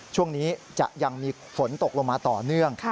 ช่วงนี้จะยังมีฝนตกลงมาต่อเนื่อง